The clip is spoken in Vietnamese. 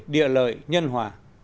địa lợi nhân hòa